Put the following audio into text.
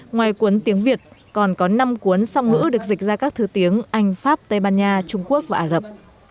ngoài cuốn tiếng việt còn có năm cuốn song ngữ được dịch ra các thứ tiếng anh pháp tây ban nha trung quốc và ả rập